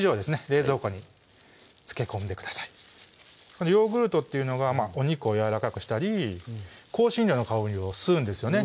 冷蔵庫に漬け込んでくださいヨーグルトっていうのがお肉をやわらかくしたり香辛料の香りを吸うんですよね